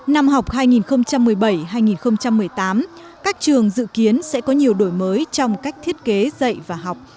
năm học hai nghìn một mươi bảy hai nghìn một mươi tám các trường dự kiến sẽ có nhiều đổi mới trong cách thiết kế dạy và học